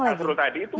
bang arthurul tadi itu